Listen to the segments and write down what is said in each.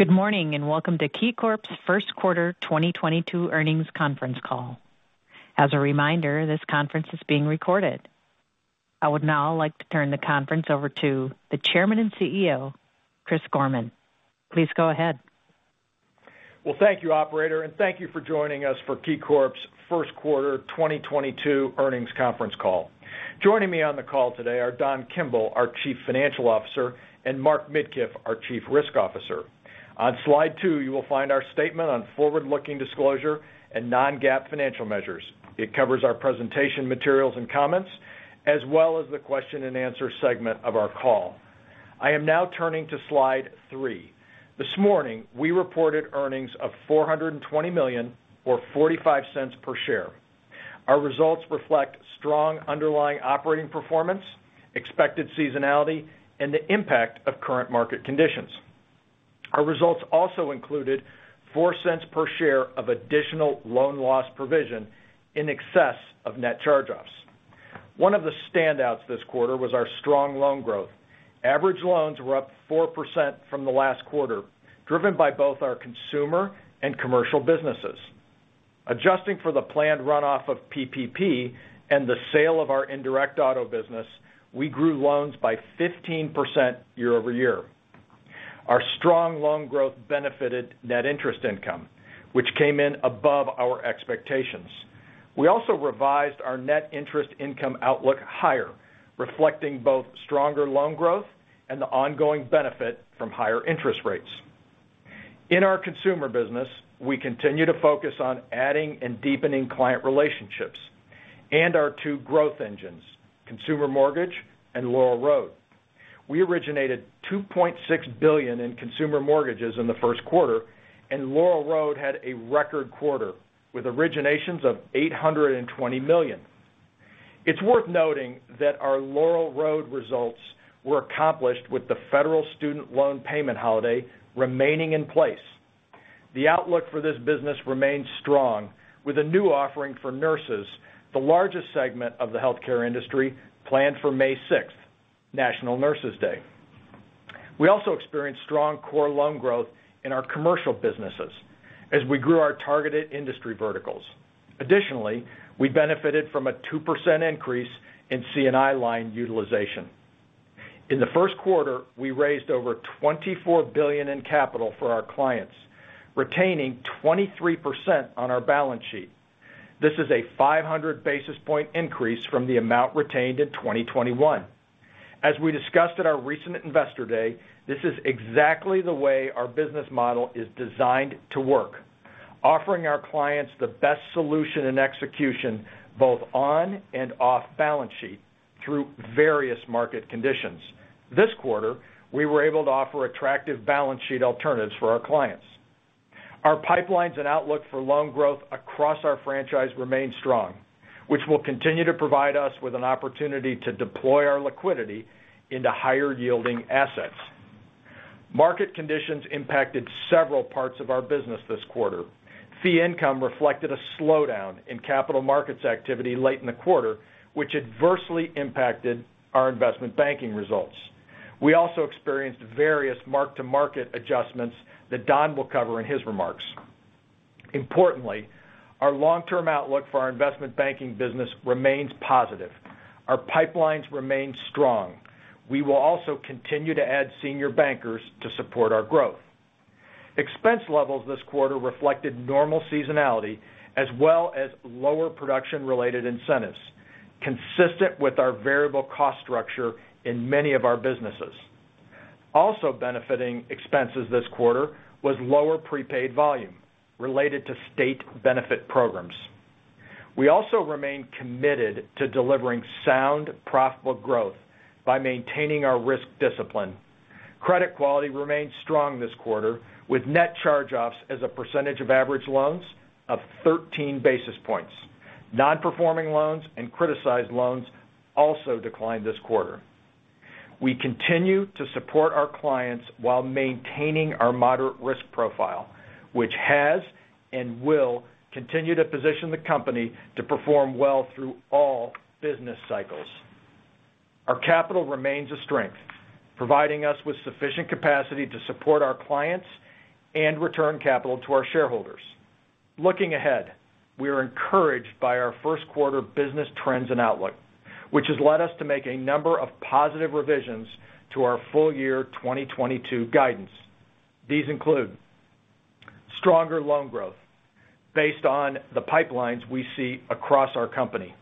Good morning, and welcome to KeyCorp's first quarter 2022 earnings conference call. As a reminder, this conference is being recorded. I would now like to turn the conference over to the Chairman and CEO, Chris Gorman. Please go ahead. Well, thank you, operator, and thank you for joining us for KeyCorp's first quarter 2022 earnings conference call. Joining me on the call today are Don Kimble, our Chief Financial Officer, and Mark Midkiff, our Chief Risk Officer. On slide two, you will find our statement on forward-looking disclosure and non-GAAP financial measures. It covers our presentation materials and comments as well as the question and answer segment of our call. I am now turning to slide three. This morning, we reported earnings of $420 million or $0.45 per share. Our results reflect strong underlying operating performance, expected seasonality, and the impact of current market conditions. Our results also included $0.04 per share of additional loan loss provision in excess of net charge-offs. One of the standouts this quarter was our strong loan growth. Average loans were up 4% from the last quarter, driven by both our consumer and commercial businesses. Adjusting for the planned runoff of PPP and the sale of our indirect auto business, we grew loans by 15% year-over-year. Our strong loan growth benefited net interest income, which came in above our expectations. We also revised our net interest income outlook higher, reflecting both stronger loan growth and the ongoing benefit from higher interest rates. In our consumer business, we continue to focus on adding and deepening client relationships and our two growth engines, consumer mortgage and Laurel Road. We originated $2.6 billion in consumer mortgages in the first quarter, and Laurel Road had a record quarter with originations of $820 million. It's worth noting that our Laurel Road results were accomplished with the federal student loan payment holiday remaining in place. The outlook for this business remains strong with a new offering for nurses, the largest segment of the healthcare industry, planned for May 6, National Nurses Day. We also experienced strong core loan growth in our commercial businesses as we grew our targeted industry verticals. Additionally, we benefited from a 2% increase in C&I line utilization. In the first quarter, we raised over $24 billion in capital for our clients, retaining 23% on our balance sheet. This is a 500 basis point increase from the amount retained in 2021. As we discussed at our recent Investor Day, this is exactly the way our business model is designed to work, offering our clients the best solution and execution both on and off balance sheet through various market conditions. This quarter, we were able to offer attractive balance sheet alternatives for our clients. Our pipelines and outlook for loan growth across our franchise remain strong, which will continue to provide us with an opportunity to deploy our liquidity into higher-yielding assets. Market conditions impacted several parts of our business this quarter. Fee income reflected a slowdown in capital markets activity late in the quarter, which adversely impacted our investment banking results. We also experienced various mark-to-market adjustments that Don will cover in his remarks. Importantly, our long-term outlook for our investment banking business remains positive. Our pipelines remain strong. We will also continue to add senior bankers to support our growth. Expense levels this quarter reflected normal seasonality as well as lower production-related incentives consistent with our variable cost structure in many of our businesses. Also benefiting expenses this quarter was lower prepaid volume related to state benefit programs. We also remain committed to delivering sound, profitable growth by maintaining our risk discipline. Credit quality remained strong this quarter with net charge-offs as a percentage of average loans of 13 basis points. Non-performing loans and criticized loans also declined this quarter. We continue to support our clients while maintaining our moderate risk profile, which has and will continue to position the company to perform well through all business cycles. Our capital remains a strength, providing us with sufficient capacity to support our clients and return capital to our shareholders. Looking ahead, we are encouraged by our first quarter business trends and outlook, which has led us to make a number of positive revisions to our full year 2022 guidance. These include stronger loan growth based on the pipelines we see across our company.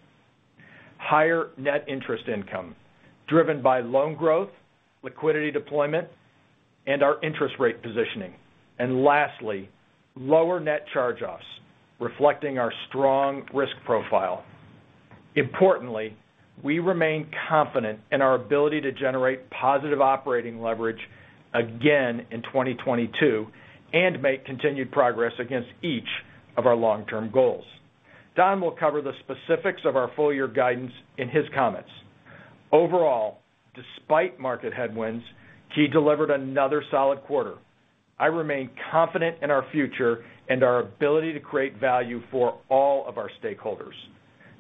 Higher net interest income driven by loan growth, liquidity deployment, and our interest rate positioning. Lastly, lower net charge-offs reflecting our strong risk profile. Importantly, we remain confident in our ability to generate positive operating leverage again in 2022 and make continued progress against each of our long-term goals. Don will cover the specifics of our full year guidance in his comments. Overall, despite market headwinds, Key delivered another solid quarter. I remain confident in our future and our ability to create value for all of our stakeholders.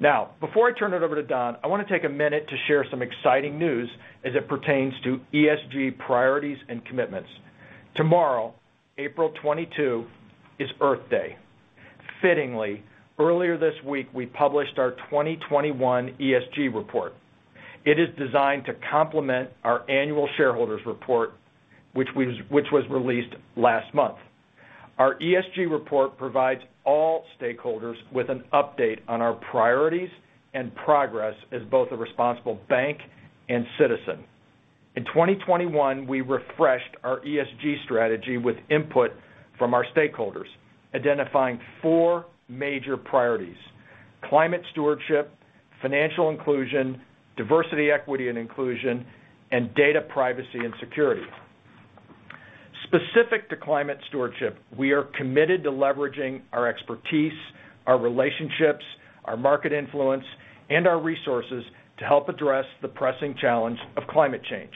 Now, before I turn it over to Don, I want to take a minute to share some exciting news as it pertains to ESG priorities and commitments. Tomorrow, April 22, is Earth Day. Fittingly, earlier this week, we published our 2021 ESG report. It is designed to complement our annual shareholders' report, which was released last month. Our ESG report provides all stakeholders with an update on our priorities and progress as both a responsible bank and citizen. In 2021, we refreshed our ESG strategy with input from our stakeholders, identifying four major priorities, climate stewardship, financial inclusion, diversity, equity, and inclusion, and data privacy and security. Specific to climate stewardship, we are committed to leveraging our expertise, our relationships, our market influence, and our resources to help address the pressing challenge of climate change.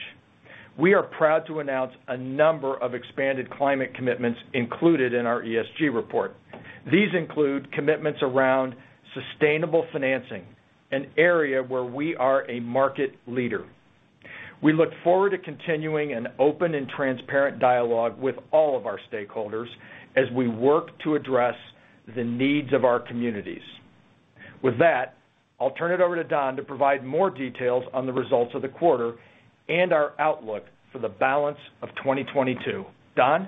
We are proud to announce a number of expanded climate commitments included in our ESG report. These include commitments around sustainable financing, an area where we are a market leader. We look forward to continuing an open and transparent dialogue with all of our stakeholders as we work to address the needs of our communities. With that, I'll turn it over to Don to provide more details on the results of the quarter and our outlook for the balance of 2022. Don?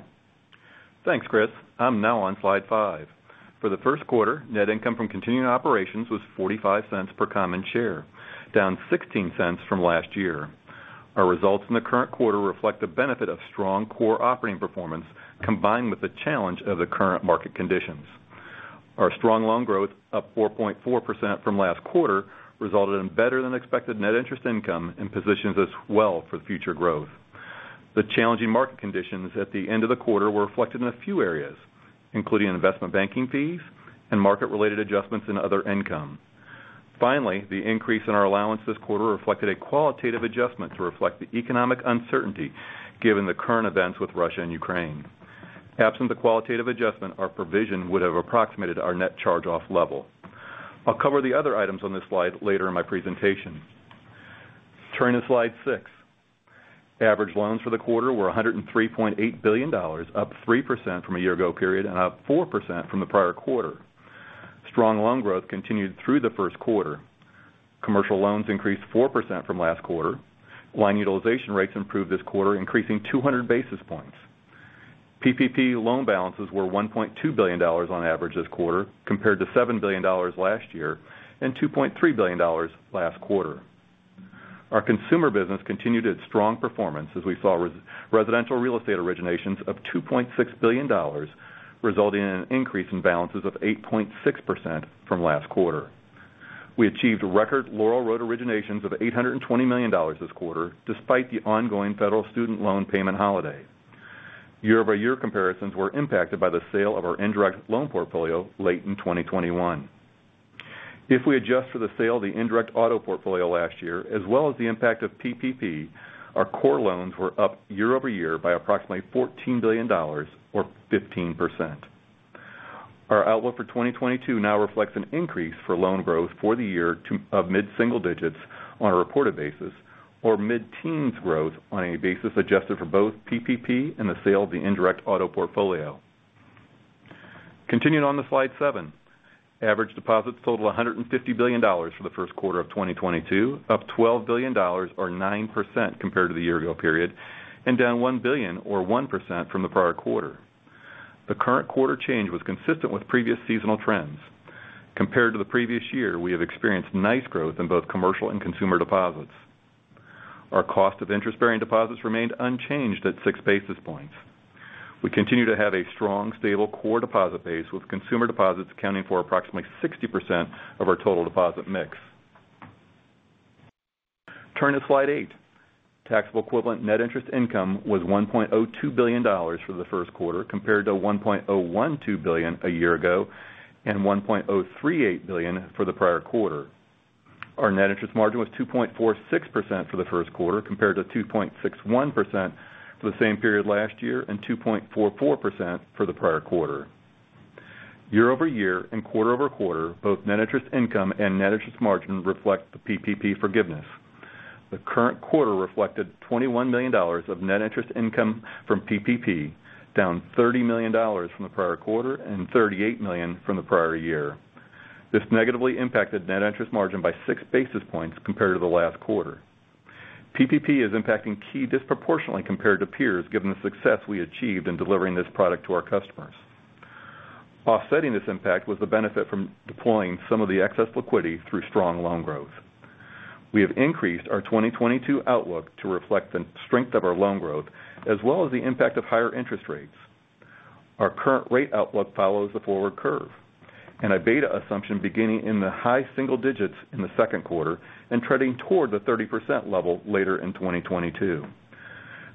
Thanks, Chris. I'm now on slide five. For the first quarter, net income from continuing operations was $0.45 per common share, down $0.16 from last year. Our results in the current quarter reflect the benefit of strong core operating performance combined with the challenge of the current market conditions. Our strong loan growth, up 4.4% from last quarter, resulted in better than expected net interest income and positions us well for future growth. The challenging market conditions at the end of the quarter were reflected in a few areas, including investment banking fees and market-related adjustments in other income. Finally, the increase in our allowance this quarter reflected a qualitative adjustment to reflect the economic uncertainty given the current events with Russia and Ukraine. Absent the qualitative adjustment, our provision would have approximated our net charge-off level. I'll cover the other items on this slide later in my presentation. Turning to slide 6. Average loans for the quarter were $103.8 billion, up 3% from a year-ago period and up 4% from the prior quarter. Strong loan growth continued through the first quarter. Commercial loans increased 4% from last quarter. Line utilization rates improved this quarter, increasing 200 basis points. PPP loan balances were $1.2 billion on average this quarter compared to $7 billion last year and $2.3 billion last quarter. Our consumer business continued its strong performance as we saw residential real estate originations of $2.6 billion, resulting in an increase in balances of 8.6% from last quarter. We achieved record Laurel Road originations of $820 million this quarter, despite the ongoing federal student loan payment holiday. Year-over-year comparisons were impacted by the sale of our indirect loan portfolio late in 2021. If we adjust for the sale of the indirect auto portfolio last year, as well as the impact of PPP, our core loans were up year-over-year by approximately $14 billion or 15%. Our outlook for 2022 now reflects an increase for loan growth for the year of mid-single digits on a reported basis or mid-teens growth on a basis adjusted for both PPP and the sale of the indirect auto portfolio. Continuing on to slide seven. Average deposits totaled $150 billion for the first quarter of 2022, up $12 billion or 9% compared to the year-ago period, and down $1 billion or 1% from the prior quarter. The current quarter change was consistent with previous seasonal trends. Compared to the previous year, we have experienced nice growth in both commercial and consumer deposits. Our cost of interest-bearing deposits remained unchanged at 6 basis points. We continue to have a strong, stable core deposit base, with consumer deposits accounting for approximately 60% of our total deposit mix. Turning to slide eight. Taxable equivalent net interest income was $1.02 billion for the first quarter, compared to $1.012 billion a year ago and $1.038 billion for the prior quarter. Our net interest margin was 2.46% for the first quarter, compared to 2.61% for the same period last year and 2.44% for the prior quarter. Year-over-year and quarter-over-quarter, both net interest income and net interest margin reflect the PPP forgiveness. The current quarter reflected $21 million of net interest income from PPP, down $30 million from the prior quarter and $38 million from the prior year. This negatively impacted net interest margin by 6 basis points compared to the last quarter. PPP is impacting Key disproportionately compared to peers given the success we achieved in delivering this product to our customers. Offsetting this impact was the benefit from deploying some of the excess liquidity through strong loan growth. We have increased our 2022 outlook to reflect the strength of our loan growth as well as the impact of higher interest rates. Our current rate outlook follows the forward curve and a beta assumption beginning in the high single digits in the second quarter and treading toward the 30% level later in 2022.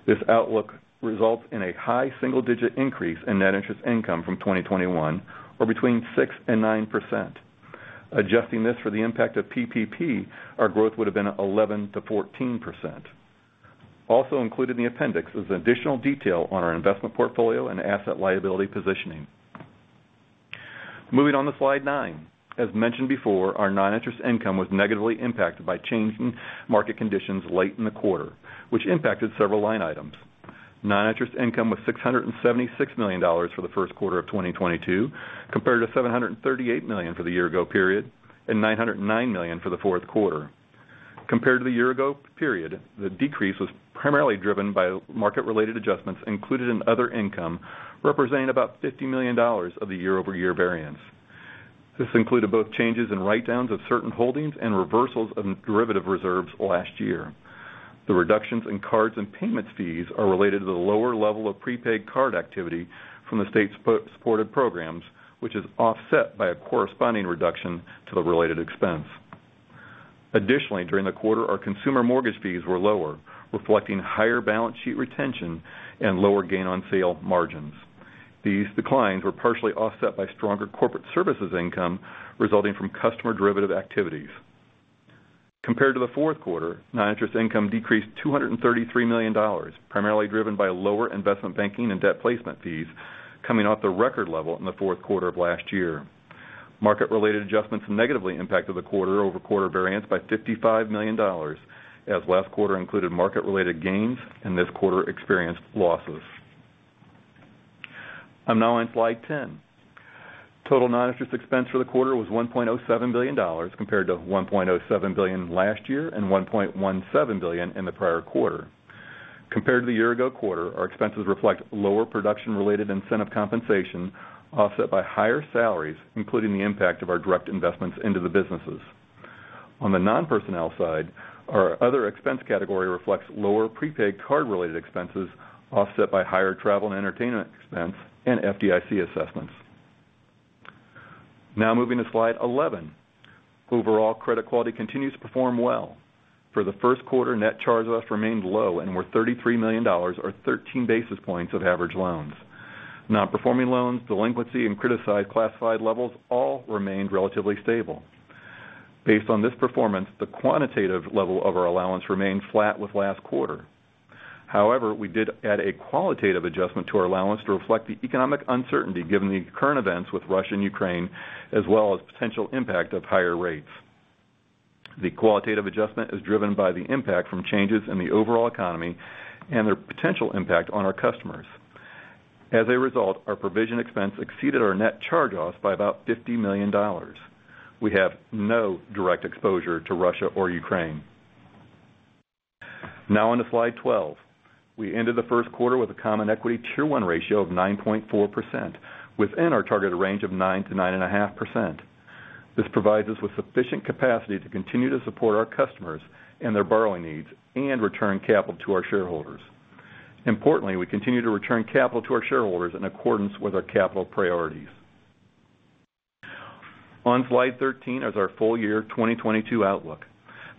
This outlook results in a high single-digit increase in net interest income from 2021 or between 6% and 9%. Adjusting this for the impact of PPP, our growth would have been 11%-14%. Included in the appendix is additional detail on our investment portfolio and asset liability positioning. Moving on to slide nine. As mentioned before, our non-interest income was negatively impacted by changing market conditions late in the quarter, which impacted several line items. Non-interest income was $676 million for the first quarter of 2022, compared to $738 million for the year ago period and $909 million for the fourth quarter. Compared to the year ago period, the decrease was primarily driven by market-related adjustments included in other income, representing about $50 million of the year-over-year variance. This included both changes in write-downs of certain holdings and reversals of derivative reserves last year. The reductions in cards and payments fees are related to the lower level of prepaid card activity from the state-supported programs, which is offset by a corresponding reduction to the related expense. Additionally, during the quarter, our consumer mortgage fees were lower, reflecting higher balance sheet retention and lower gain on sale margins. These declines were partially offset by stronger corporate services income resulting from customer derivative activities. Compared to the fourth quarter, non-interest income decreased $233 million, primarily driven by lower investment banking and debt placement fees coming off the record level in the fourth quarter of last year. Market-related adjustments negatively impacted the quarter-over-quarter variance by $55 million, as last quarter included market-related gains and this quarter experienced losses. I'm now on slide 10. Total non-interest expense for the quarter was $1.07 billion compared to $1.07 billion last year and $1.17 billion in the prior quarter. Compared to the year-ago quarter, our expenses reflect lower production-related incentive compensation offset by higher salaries, including the impact of our direct investments into the businesses. On the non-personnel side, our other expense category reflects lower prepaid card-related expenses offset by higher travel and entertainment expense and FDIC assessments. Now moving to slide 11. Overall, credit quality continues to perform well. For the first quarter, net charge-offs remained low and were $33 million or 13 basis points of average loans. Non-performing loans, delinquency, and criticized classified levels all remained relatively stable. Based on this performance, the quantitative level of our allowance remained flat with last quarter. However, we did add a qualitative adjustment to our allowance to reflect the economic uncertainty given the current events with Russia and Ukraine, as well as potential impact of higher rates. The qualitative adjustment is driven by the impact from changes in the overall economy and their potential impact on our customers. As a result, our provision expense exceeded our net charge-offs by about $50 million. We have no direct exposure to Russia or Ukraine. Now onto slide 12. We ended the first quarter with a Common Equity Tier 1 ratio of 9.4% within our targeted range of 9%-9.5%. This provides us with sufficient capacity to continue to support our customers and their borrowing needs and return capital to our shareholders. Importantly, we continue to return capital to our shareholders in accordance with our capital priorities. On slide 13 is our full year 2022 outlook.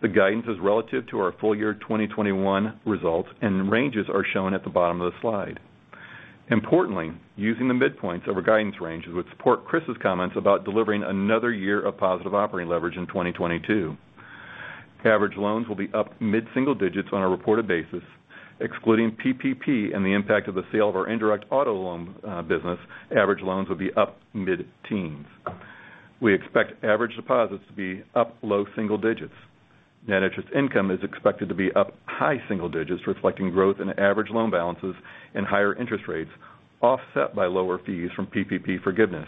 The guidance is relative to our full year 2021 results, and ranges are shown at the bottom of the slide. Importantly, using the midpoints of our guidance ranges would support Chris's comments about delivering another year of positive operating leverage in 2022. Average loans will be up mid-single digits on a reported basis. Excluding PPP and the impact of the sale of our indirect auto loan business, average loans will be up mid-teens. We expect average deposits to be up low single digits. Net interest income is expected to be up high single digits, reflecting growth in average loan balances and higher interest rates, offset by lower fees from PPP forgiveness.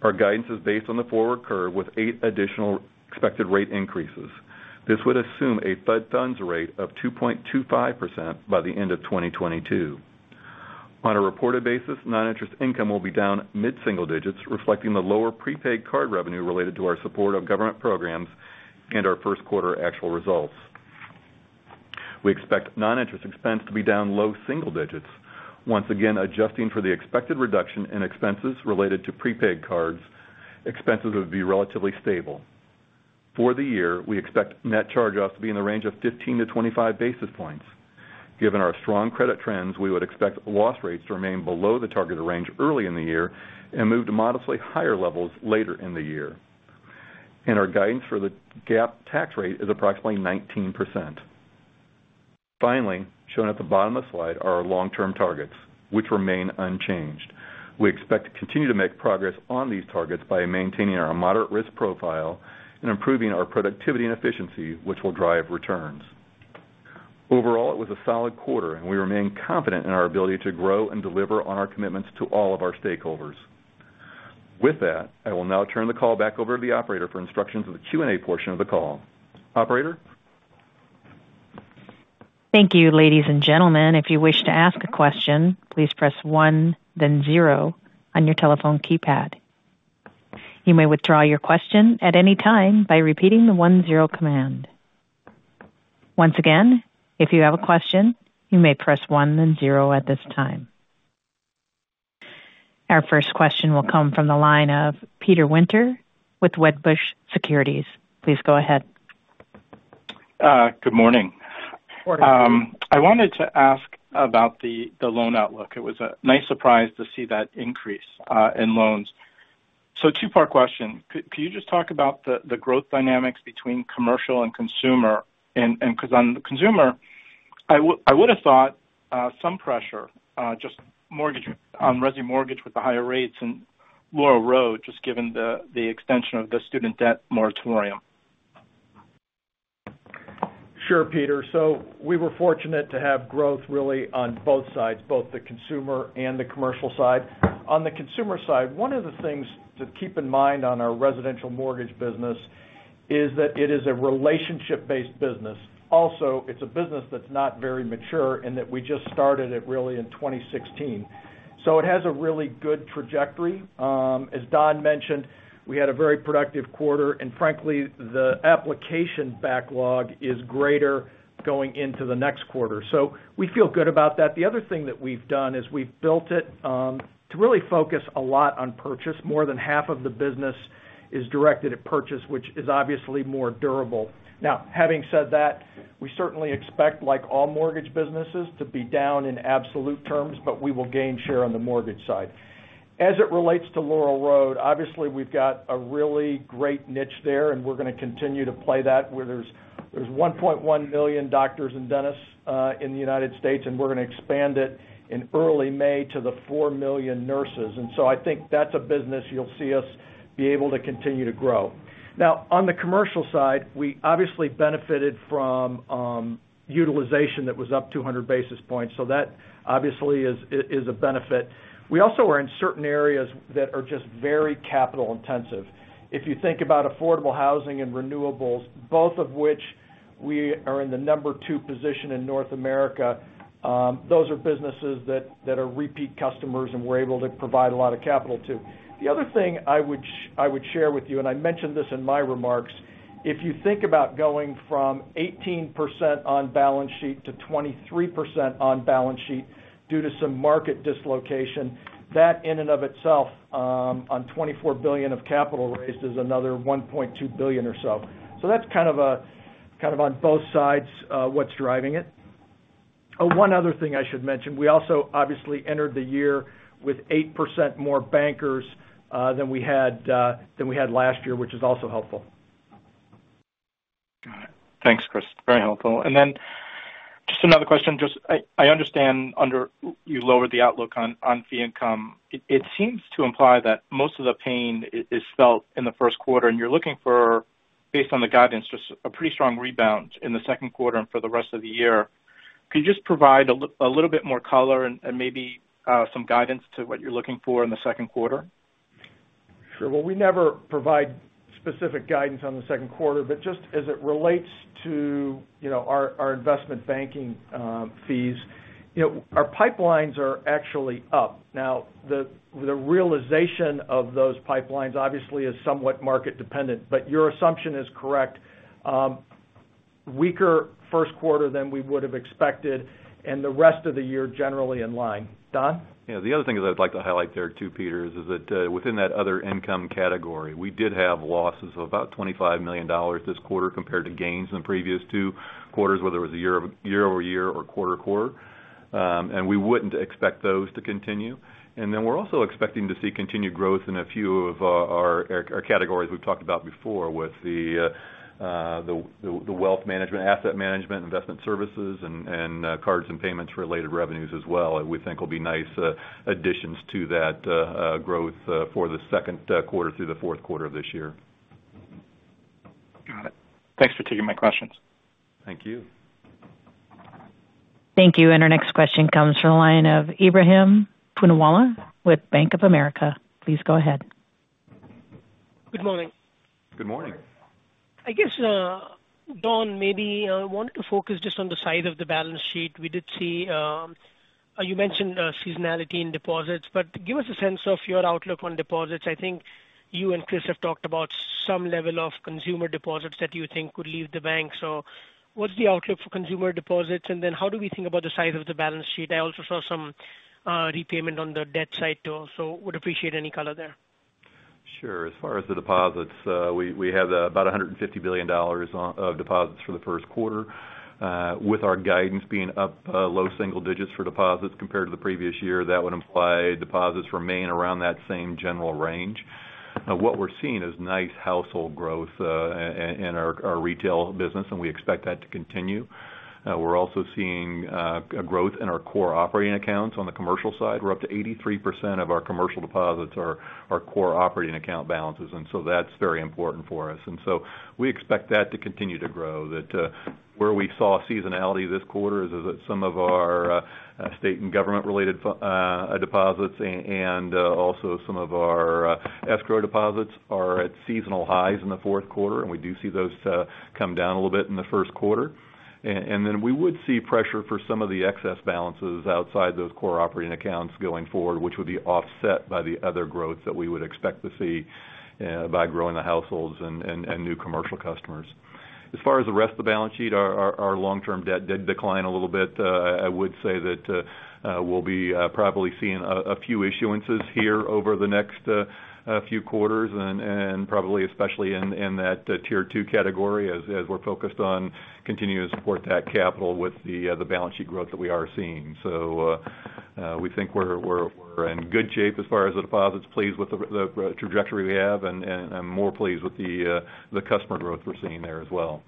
Our guidance is based on the forward curve with eight additional expected rate increases. This would assume a Federal Funds rate of 2.25% by the end of 2022. On a reported basis, non-interest income will be down mid-single digits, reflecting the lower prepaid card revenue related to our support of government programs and our first quarter actual results. We expect non-interest expense to be down low single digits. Once again, adjusting for the expected reduction in expenses related to prepaid cards, expenses would be relatively stable. For the year, we expect net charge-offs to be in the range of 15-25 basis points. Given our strong credit trends, we would expect loss rates to remain below the targeted range early in the year and move to modestly higher levels later in the year. Our guidance for the GAAP tax rate is approximately 19%. Finally, shown at the bottom of the slide are our long-term targets, which remain unchanged. We expect to continue to make progress on these targets by maintaining our moderate risk profile and improving our productivity and efficiency, which will drive returns. Overall, it was a solid quarter, and we remain confident in our ability to grow and deliver on our commitments to all of our stakeholders. With that, I will now turn the call back over to the operator for instructions of the Q&A portion of the call. Operator? Our first question will come from the line of Peter Winter with Wedbush Securities. Please go ahead. Good morning. Good morning. I wanted to ask about the loan outlook. It was a nice surprise to see that increase in loans. Two-part question. Could you just talk about the growth dynamics between commercial and consumer? Because on the consumer, I would have thought some pressure just mortgage on resi mortgage with the higher rates and Laurel Road just given the extension of the student debt moratorium. Sure, Peter. We were fortunate to have growth really on both sides, both the consumer and the commercial side. On the consumer side, one of the things to keep in mind on our residential mortgage business is that it is a relationship-based business. Also, it's a business that's not very mature and that we just started it really in 2016. It has a really good trajectory. As Don mentioned, we had a very productive quarter. Frankly, the application backlog is greater going into the next quarter. We feel good about that. The other thing that we've done is we've built it to really focus a lot on purchase. More than half of the business is directed at purchase, which is obviously more durable. Now, having said that, we certainly expect, like all mortgage businesses, to be down in absolute terms, but we will gain share on the mortgage side. As it relates to Laurel Road, obviously we've got a really great niche there, and we're going to continue to play that where there's 1.1 million doctors and dentists in the United States, and we're going to expand it in early May to the 4 million nurses. I think that's a business you'll see us be able to continue to grow. Now on the commercial side, we obviously benefited from utilization that was up 200 basis points. That obviously is a benefit. We also are in certain areas that are just very capital intensive. If you think about affordable housing and renewables, both of which we are in the number two position in North America, those are businesses that are repeat customers and we're able to provide a lot of capital too. The other thing I would share with you, and I mentioned this in my remarks, if you think about going from 18% on balance sheet to 23% on balance sheet due to some market dislocation, that in and of itself, on $24 billion of capital raised is another $1.2 billion or so. So that's kind of on both sides, what's driving it. Oh, one other thing I should mention. We also obviously entered the year with 8% more bankers than we had last year, which is also helpful. Got it. Thanks, Chris. Very helpful. Just another question. I understand that you lowered the outlook on fee income. It seems to imply that most of the pain is felt in the first quarter, and you're looking for, based on the guidance, just a pretty strong rebound in the second quarter and for the rest of the year. Could you just provide a little bit more color and maybe some guidance to what you're looking for in the second quarter? Sure. Well, we never provide specific guidance on the second quarter, but just as it relates to, you know, our investment banking fees, you know, our pipelines are actually up. Now the realization of those pipelines obviously is somewhat market dependent, but your assumption is correct. Weaker first quarter than we would have expected and the rest of the year generally in line. Don? Yeah. The other thing is I'd like to highlight there too, Peter, is that within that other income category, we did have losses of about $25 million this quarter compared to gains in the previous two quarters, whether it was a year-over-year or quarter-to-quarter. We wouldn't expect those to continue. Then we're also expecting to see continued growth in a few of our categories we've talked about before with the wealth management, asset management, investment services and cards and payments related revenues as well, we think will be nice additions to that growth for the second quarter through the fourth quarter of this year. Got it. Thanks for taking my questions. Thank you. Thank you. Our next question comes from the line of Ebrahim Poonawala with Bank of America. Please go ahead. Good morning. Good morning. I guess, Don, maybe I wanted to focus just on the side of the balance sheet. We did see, you mentioned seasonality in deposits, but give us a sense of your outlook on deposits. I think you and Chris have talked about some level of consumer deposits that you think could leave the bank. What's the outlook for consumer deposits? How do we think about the size of the balance sheet? I also saw some repayment on the debt side too, so would appreciate any color there. Sure. As far as the deposits, we had about $150 billion of deposits for the first quarter. With our guidance being up low single digits for deposits compared to the previous year, that would imply deposits remain around that same general range. What we're seeing is nice household growth in our retail business, and we expect that to continue. We're also seeing growth in our core operating accounts on the commercial side. We're up to 83% of our commercial deposits are core operating account balances, and so that's very important for us. We expect that to continue to grow. That where we saw seasonality this quarter is at some of our state and government related deposits and also some of our escrow deposits are at seasonal highs in the fourth quarter, and we do see those come down a little bit in the first quarter. Then we would see pressure for some of the excess balances outside those core operating accounts going forward, which would be offset by the other growth that we would expect to see by growing the households and new commercial customers. As far as the rest of the balance sheet, our long-term debt did decline a little bit. I would say that we'll be probably seeing a few issuances here over the next few quarters and probably especially in that tier two category as we're focused on continuing to support that capital with the balance sheet growth that we are seeing. We think we're in good shape as far as the deposits, pleased with the trajectory we have and more pleased with the customer growth we're seeing there as well.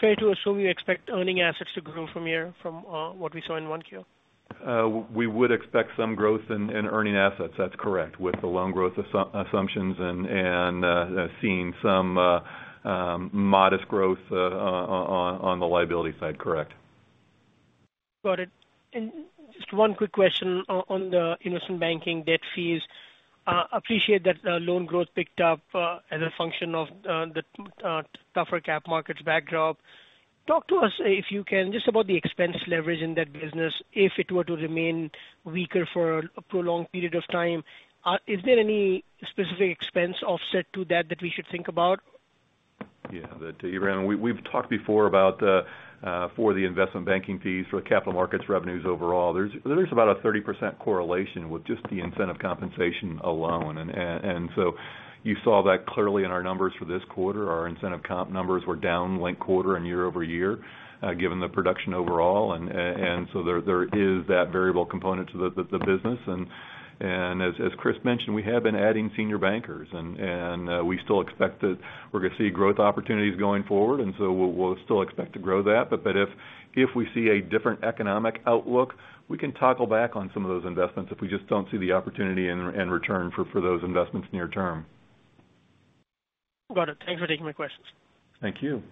Fair to assume you expect earning assets to grow from here, what we saw in 1Q? We would expect some growth in earning assets. That's correct. With the loan growth assumptions and seeing some modest growth on the liability side. Correct. Got it. Just one quick question on the investment banking and debt fees. Appreciate that the loan growth picked up as a function of the tougher capital markets backdrop. Talk to us, if you can, just about the expense leverage in that business if it were to remain weaker for a prolonged period of time. Is there any specific expense offset to that that we should think about? Yeah. Ebrahim, we've talked before about for the investment banking fees, for the capital markets revenues overall, there is about 30% correlation with just the incentive compensation alone. You saw that clearly in our numbers for this quarter. Our incentive comp numbers were down, linked quarter and year-over-year, given the production overall. There is that variable component to the business. As Chris mentioned, we have been adding senior bankers and we still expect that we're gonna see growth opportunities going forward, and so we'll still expect to grow that. If we see a different economic outlook, we can toggle back on some of those investments if we just don't see the opportunity in return for those investments near term. Got it. Thanks for taking my questions. Thank you.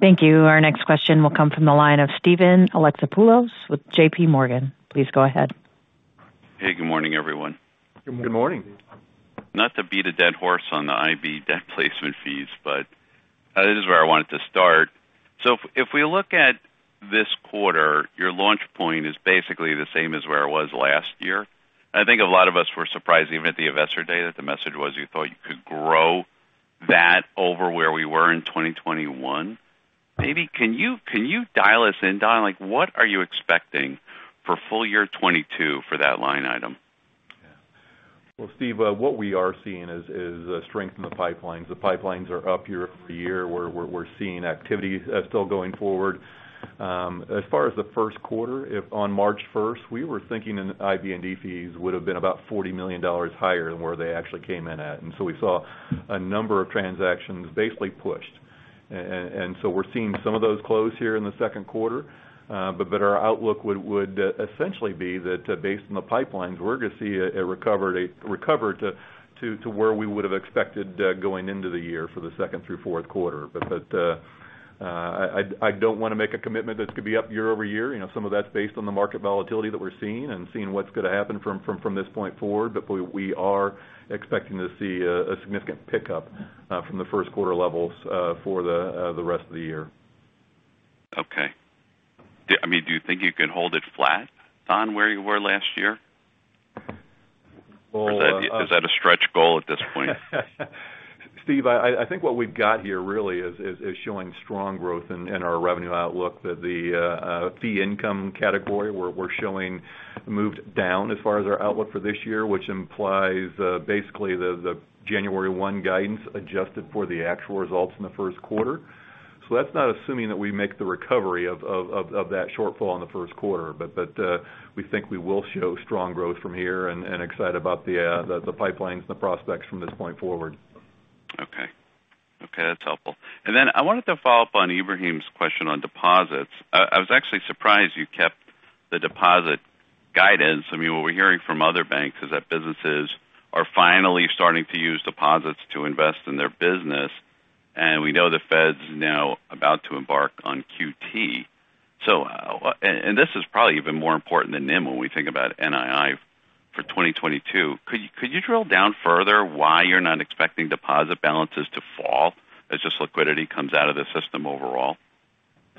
Thank you. Our next question will come from the line of Steven Alexopoulos with JPMorgan. Please go ahead. Hey, good morning, everyone. Good morning. Not to beat a dead horse on the IB debt placement fees, but this is where I wanted to start. If we look at this quarter, your launch point is basically the same as where it was last year. I think a lot of us were surprised even at the investor day that the message was you thought you could grow that over where we were in 2021. Maybe can you dial us in, Don. Like, what are you expecting for full year 2022 for that line item? Yeah. Well, Steve, what we are seeing is strength in the pipelines. The pipelines are up year-over-year. We're seeing activity still going forward. As far as the first quarter, if on March 1st, we were thinking IB and D fees would have been about $40 million higher than where they actually came in at. So we saw a number of transactions basically pushed. And so we're seeing some of those close here in the second quarter. But our outlook would essentially be that, based on the pipelines, we're gonna see a recovery to where we would have expected going into the year for the second through fourth quarter. I don't wanna make a commitment that it could be up year-over-year. You know, some of that's based on the market volatility that we're seeing and what's gonna happen from this point forward. We are expecting to see a significant pickup from the first quarter levels for the rest of the year. Okay. I mean, do you think you can hold it flat on where you were last year? Well Is that a stretch goal at this point? Steve, I think what we've got here really is showing strong growth in our revenue outlook. The fee income category we're showing moved down as far as our outlook for this year, which implies basically the January one guidance adjusted for the actual results in the first quarter. That's not assuming that we make the recovery of that shortfall in the first quarter. We think we will show strong growth from here and excited about the pipelines and the prospects from this point forward. Okay. Okay, that's helpful. Then I wanted to follow up on Ebrahim's question on deposits. I was actually surprised you kept the deposit guidance. I mean, what we're hearing from other banks is that businesses are finally starting to use deposits to invest in their business. We know the Fed's now about to embark on QT. And this is probably even more important than NIM when we think about NII for 2022. Could you drill down further why you're not expecting deposit balances to fall as this liquidity comes out of the system overall?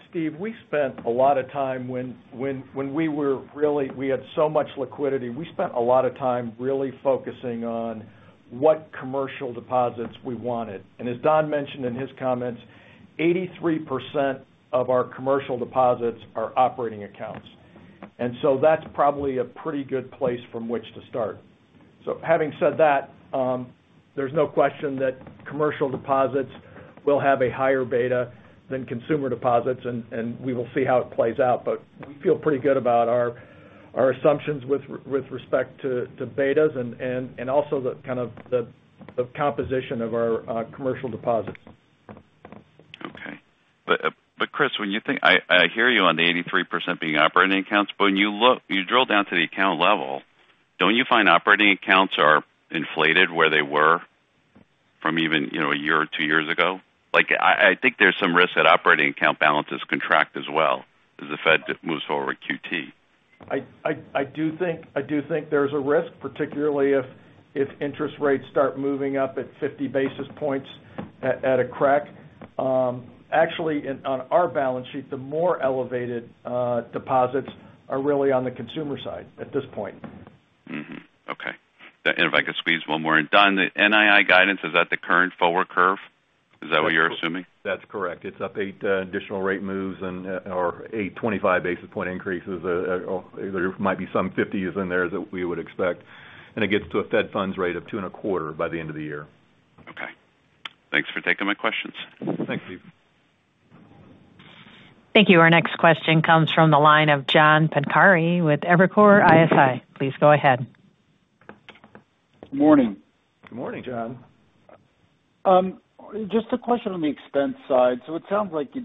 Steve, we spent a lot of time when we had so much liquidity really focusing on what commercial deposits we wanted. As Don mentioned in his comments, 83% of our commercial deposits are operating accounts. That's probably a pretty good place from which to start. Having said that, there's no question that commercial deposits will have a higher beta than consumer deposits, and we will see how it plays out. We feel pretty good about our assumptions with respect to betas and also the kind of the composition of our commercial deposits. Okay. Chris, I hear you on the 83% being operating accounts. When you look, you drill down to the account level, don't you find operating accounts are inflated from where they were even, you know, a year or two years ago? Like, I think there's some risk that operating account balances contract as well as the Fed moves forward QT. I do think there's a risk, particularly if interest rates start moving up at 50 basis points at a crack. Actually, on our balance sheet, the more elevated deposits are really on the consumer side at this point. Okay. If I could squeeze one more in. Don, the NII guidance, is that the current forward curve? Is that what you're assuming? That's correct. It's up eight additional rate moves and or 825 basis point increases. There might be some 50s in there that we would expect, and it gets to a Fed funds rate of 2.25 by the end of the year. Okay. Thanks for taking my questions. Thanks, Steve. Thank you. Our next question comes from the line of John Pancari with Evercore ISI. Please go ahead. Morning. Good morning, John. Just a question on the expense side. It sounds like you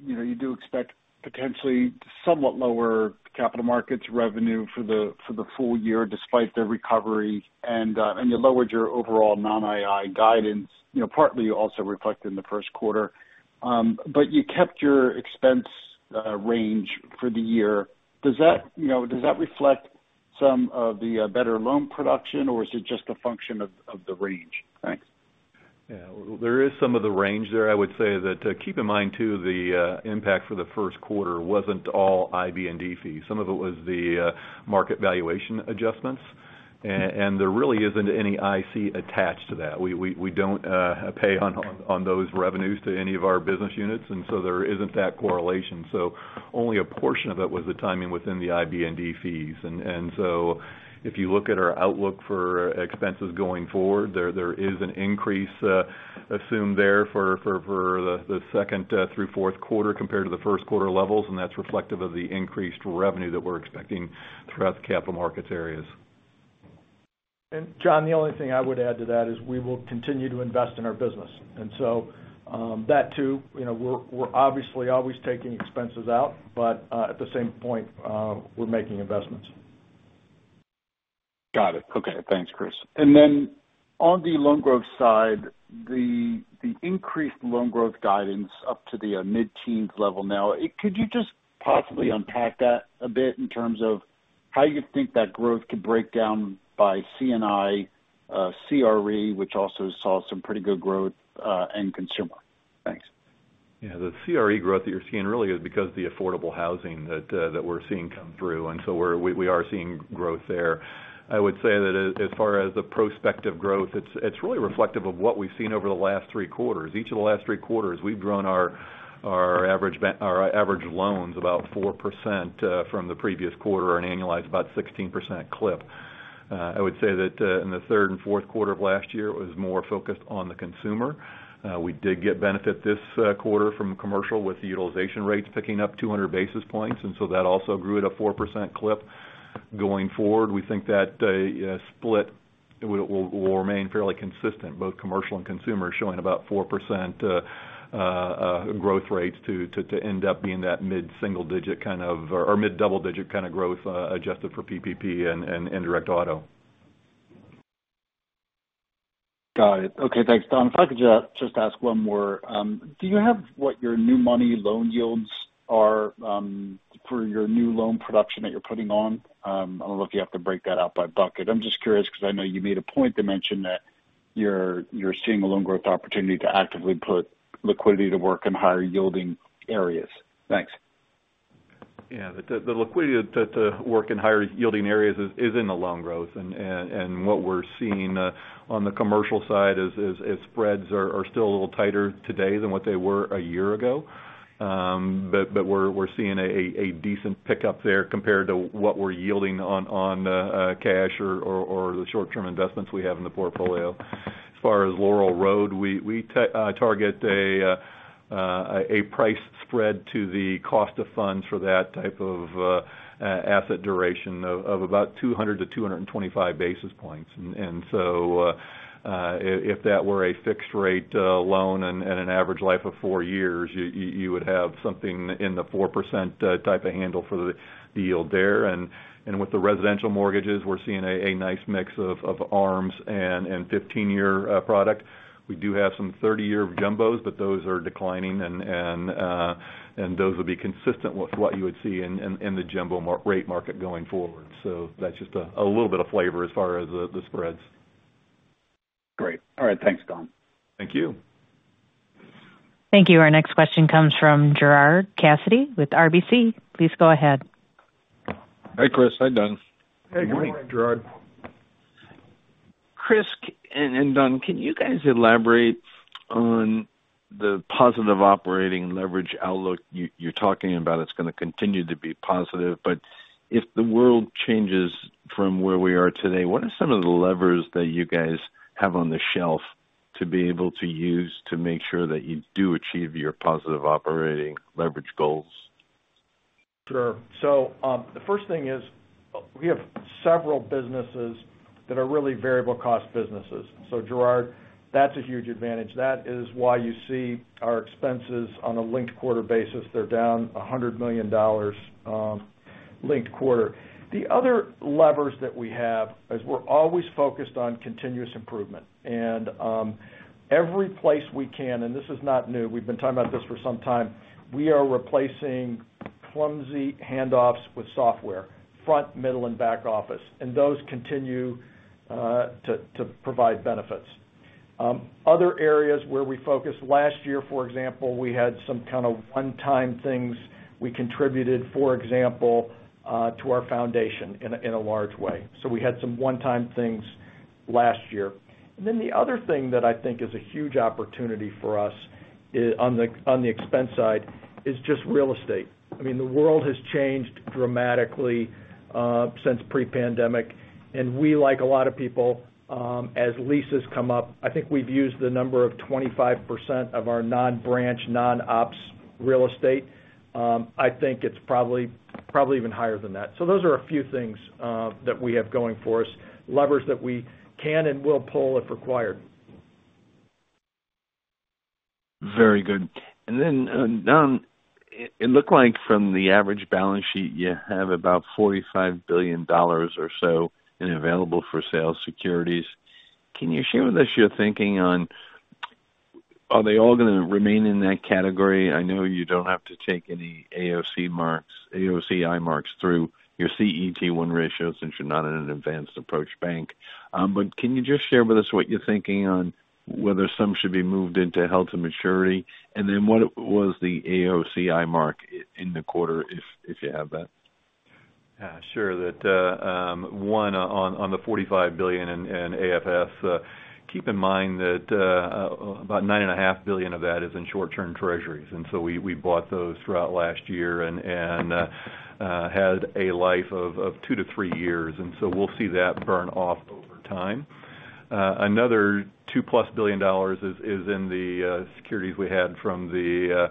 know, you do expect potentially somewhat lower capital markets revenue for the full year despite the recovery, and you lowered your overall non-NII guidance, you know, partly also reflected in the first quarter. You kept your expense range for the year. Does that, you know, reflect some of the better loan production, or is it just a function of the range? Thanks. Yeah. There is some of the range there. I would say that, keep in mind too, the impact for the first quarter wasn't all IB and D fees. Some of it was the market valuation adjustments. There really isn't any IC attached to that. We don't pay on those revenues to any of our business units, and so there isn't that correlation. Only a portion of it was the timing within the IB and D fees. If you look at our outlook for expenses going forward, there is an increase assumed there for the second through fourth quarter compared to the first quarter levels, and that's reflective of the increased revenue that we're expecting throughout the capital markets areas. John, the only thing I would add to that is we will continue to invest in our business. That too, you know, we're obviously always taking expenses out, but at the same time, we're making investments. Got it. Okay. Thanks, Chris. On the loan growth side, the increased loan growth guidance up to the mid-teens level now, could you just possibly unpack that a bit in terms of how you think that growth could break down by C&I, CRE, which also saw some pretty good growth, and consumer? Thanks. Yeah. The CRE growth that you're seeing really is because of the affordable housing that we're seeing come through, and so we are seeing growth there. I would say that as far as the prospective growth, it's really reflective of what we've seen over the last three quarters. Each of the last three quarters, we've grown our average loans about 4%, from the previous quarter and annualized about 16% clip. I would say that in the third and fourth quarter of last year, it was more focused on the consumer. We did get benefit this quarter from commercial with the utilization rates picking up 200 basis points, and so that also grew at a 4% clip. Going forward, we think that split will remain fairly consistent, both commercial and consumer showing about 4% growth rates to end up being that mid-single digit kind of, or mid-double digit kind of growth, adjusted for PPP and indirect auto. Got it. Okay, thanks, Don. If I could just ask one more. Do you have what your new money loan yields are, for your new loan production that you're putting on? I don't know if you have to break that out by bucket. I'm just curious because I know you made a point to mention that you're seeing a loan growth opportunity to actively put liquidity to work in higher yielding areas. Thanks. Yeah. The liquidity to work in higher yielding areas is in the loan growth. What we're seeing on the commercial side is spreads are still a little tighter today than what they were a year ago. We're seeing a decent pickup there compared to what we're yielding on cash or the short-term investments we have in the portfolio. As far as Laurel Road, we target a price spread to the cost of funds for that type of asset duration of about 200-225 basis points. If that were a fixed rate loan and an average life of four years, you would have something in the 4% type of handle for the yield there. With the residential mortgages, we're seeing a nice mix of ARMs and 15-year product. We do have some 30-year jumbos, but those are declining and those will be consistent with what you would see in the jumbo mortgage market going forward. That's just a little bit of flavor as far as the spreads. Great. All right. Thanks, Don. Thank you. Thank you. Our next question comes from Gerard Cassidy with RBC. Please go ahead. Hi, Chris. Hi, Don. Hey, good morning, Gerard. Chris and Don, can you guys elaborate on the positive operating leverage outlook you're talking about? It's going to continue to be positive, but if the world changes from where we are today, what are some of the levers that you guys have on the shelf to be able to use to make sure that you do achieve your positive operating leverage goals? Sure. The first thing is we have several businesses that are really variable cost businesses. Gerard, that's a huge advantage. That is why you see our expenses on a linked quarter basis. They're down $100 million linked quarter. The other levers that we have is we're always focused on continuous improvement. Every place we can, and this is not new, we've been talking about this for some time, we are replacing clumsy handoffs with software, front, middle, and back office, and those continue to provide benefits. Other areas where we focus. Last year, for example, we had some kind of one-time things we contributed, for example, to our foundation in a large way. We had some one-time things. Last year. The other thing that I think is a huge opportunity for us is on the expense side is just real estate. I mean, the world has changed dramatically since pre-pandemic, and we like a lot of people, as leases come up, I think we've used the number of 25% of our non-branch, non-ops real estate. I think it's probably even higher than that. Those are a few things that we have going for us, levers that we can and will pull if required. Very good. Don, it looked like from the average balance sheet, you have about $45 billion or so in available-for-sale securities. Can you share with us your thinking on are they all gonna remain in that category? I know you don't have to take any AOCI marks through your CET1 ratio since you're not in an advanced approach bank. Can you just share with us what you're thinking on whether some should be moved into held to maturity? What was the AOCI mark in the quarter if you have that? Yeah, sure. That on the $45 billion in AFS, keep in mind that about $9.5 billion of that is in short-term treasuries. We bought those throughout last year and had a life of two-three years. We'll see that burn off over time. Another $2+ billion is in the securities we had from the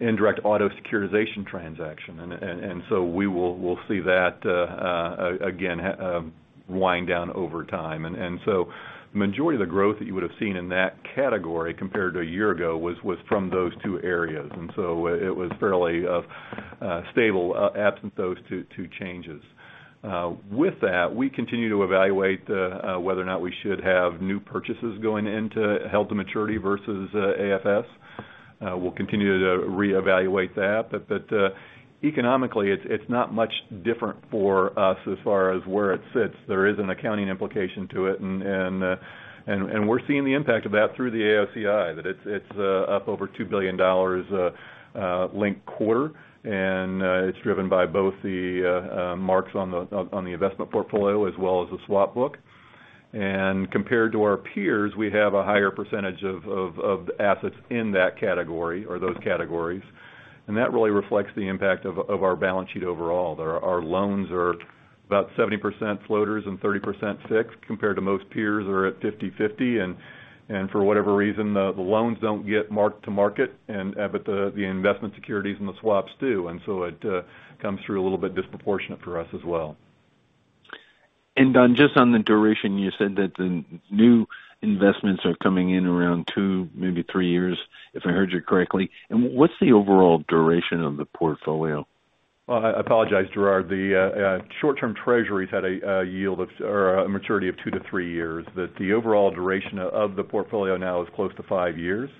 indirect auto securitization transaction. We'll see that again wind down over time. The majority of the growth that you would have seen in that category compared to a year ago was from those two areas. It was fairly stable absent those two changes. With that, we continue to evaluate whether or not we should have new purchases going into held to maturity versus AFS. We'll continue to reevaluate that. Economically, it's not much different for us as far as where it sits. There is an accounting implication to it and we're seeing the impact of that through the AOCI, that it's up over $2 billion linked-quarter, and it's driven by both the marks on the investment portfolio as well as the swap book. Compared to our peers, we have a higher percentage of assets in that category or those categories. That really reflects the impact of our balance sheet overall. Our loans are about 70% floaters and 30% fixed compared to most peers are at 50/50. For whatever reason, the loans don't get marked to market, but the investment securities and the swaps do. It comes through a little bit disproportionate for us as well. Don, just on the duration, you said that the new investments are coming in around two, maybe three years, if I heard you correctly. What's the overall duration of the portfolio? Well, I apologize, Gerard. The short-term treasuries had a maturity of two-three years. The overall duration of the portfolio now is close to five years.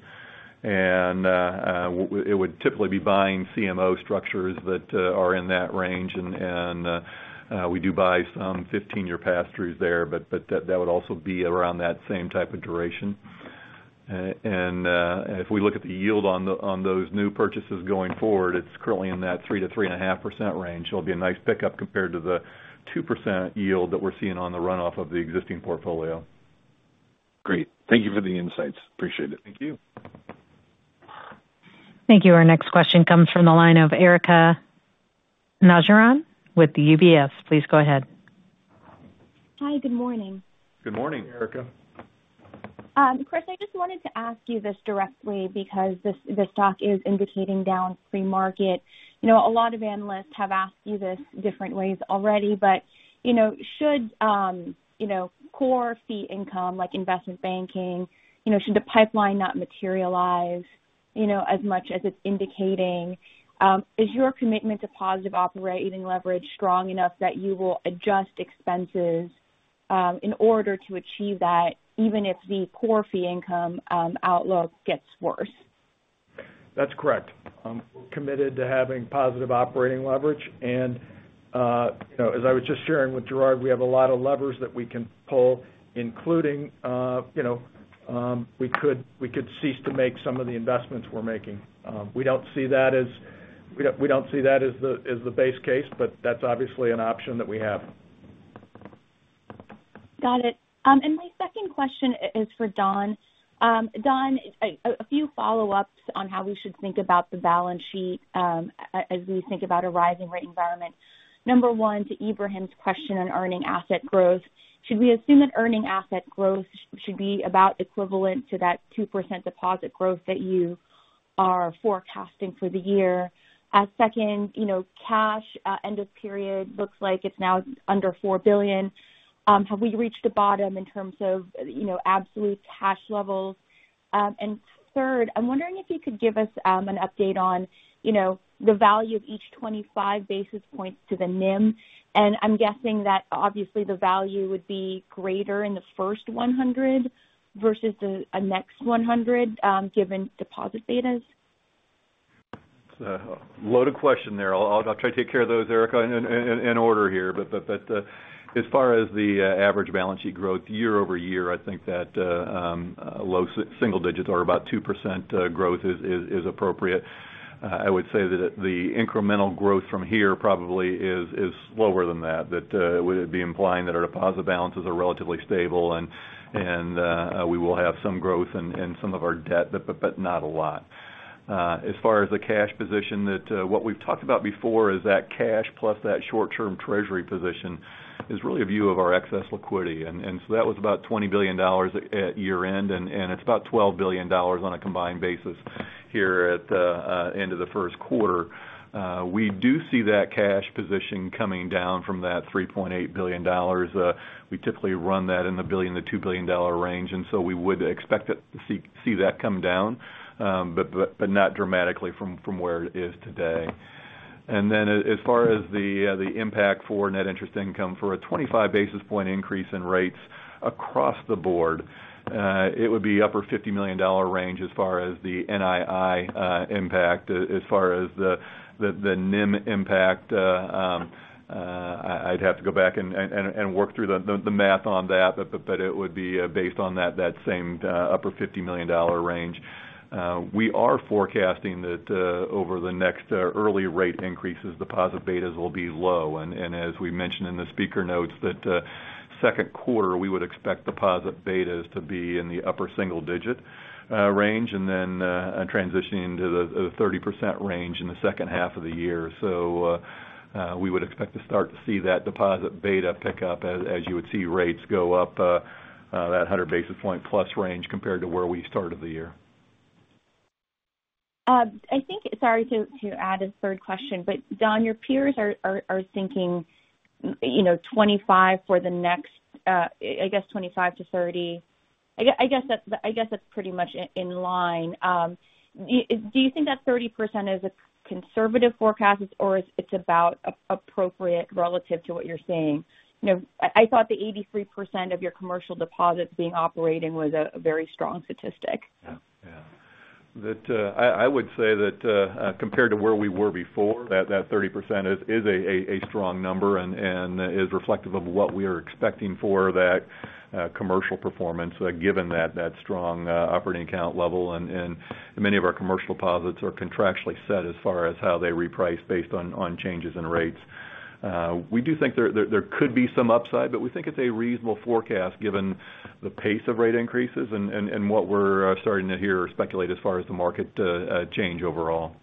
It would typically be buying CMO structures that are in that range. We do buy some 15-year pass-throughs there, but that would also be around that same type of duration. If we look at the yield on those new purchases going forward, it's currently in that 3%-3.5% range. It'll be a nice pickup compared to the 2% yield that we're seeing on the run-off of the existing portfolio. Great. Thank you for the insights. Appreciate it. Thank you. Thank you. Our next question comes from the line of Erika Najarian with UBS. Please go ahead. Hi, good morning. Good morning. Erika. Chris, I just wanted to ask you this directly because the stock is indicating down pre-market. You know, a lot of analysts have asked you this different ways already, but, you know, should, you know, core fee income like investment banking, you know, should the pipeline not materialize, you know, as much as it's indicating, is your commitment to positive operating leverage strong enough that you will adjust expenses, in order to achieve that, even if the core fee income, outlook gets worse? That's correct. We're committed to having positive operating leverage. You know, as I was just sharing with Gerard, we have a lot of levers that we can pull, including, you know, we could cease to make some of the investments we're making. We don't see that as the base case, but that's obviously an option that we have. Got it. My second question is for Don. Don, a few follow-ups on how we should think about the balance sheet, as we think about a rising rate environment. Number one, to Ebrahim's question on earning asset growth, should we assume that earning asset growth should be about equivalent to that 2% deposit growth that you are forecasting for the year? Second, you know, cash end of period looks like it's now under $4 billion. Have we reached the bottom in terms of, you know, absolute cash levels? Third, I'm wondering if you could give us an update on, you know, the value of each 25 basis points to the NIM. I'm guessing that obviously the value would be greater in the first 100 versus the next 100, given deposit betas. It's a loaded question there. I'll try to take care of those, Erika, in order here. As far as the average balance sheet growth year-over-year, I think that low single digits or about 2% growth is appropriate. I would say that the incremental growth from here probably is lower than that would be implying that our deposit balances are relatively stable and we will have some growth in some of our debt, but not a lot. As far as the cash position, what we've talked about before is that cash plus that short-term Treasury position is really a view of our excess liquidity. That was about $20 billion at year-end, and it's about $12 billion on a combined basis here at the end of the first quarter. We do see that cash position coming down from that $3.8 billion. We typically run that in the $1 billion-$2 billion range, and we would expect to see that come down, but not dramatically from where it is today. As far as the impact for net interest income for a 25 basis point increase in rates across the board, it would be upper $50 million range as far as the NII impact. As far as the NIM impact, I'd have to go back and work through the math on that, but it would be based on that same upper $50 million range. We are forecasting that over the next early rate increases, deposit betas will be low. As we mentioned in the speaker notes, in the second quarter we would expect deposit betas to be in the upper single-digit range and then transitioning into the 30% range in the second half of the year. We would expect to start to see that deposit beta pick up as you would see rates go up to a 100 basis point plus range compared to where we started the year. Sorry to add a third question. Don, your peers are thinking, you know, 25% for the next, I guess 25% to 30%. I guess that's pretty much in line. Do you think that 30% is a conservative forecast, or it's about appropriate relative to what you're seeing? You know, I thought the 83% of your commercial deposits being operating was a very strong statistic. Yeah. That, I would say that, compared to where we were before, that 30% is a strong number and is reflective of what we are expecting for that commercial performance, given that strong operating account level. Many of our commercial deposits are contractually set as far as how they reprice based on changes in rates. We do think there could be some upside, but we think it's a reasonable forecast given the pace of rate increases and what we're starting to hear or speculate as far as the market change overall.